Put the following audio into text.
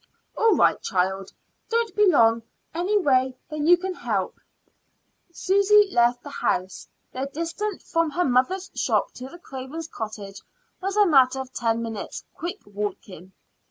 "All right, child; don't be longer away than you can help." Susy left the house. The distance from her mother's shop to the Cravens' cottage was a matter of ten minutes' quick walking.